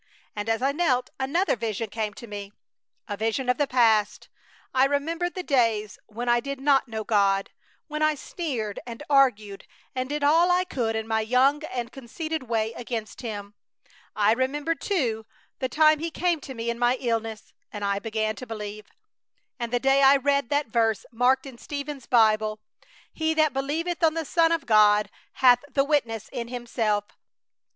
And as I knelt another vision came to me, a vision of the past! I remembered the days when I did not know God; when I sneered and argued and did all I could in my young and conceited way against Him. I remembered, too, the time He came to me in my illness and I began to believe; and the day I read that verse marked in Stephen's Bible, "He that believeth on the Son of God hath the witness in himself."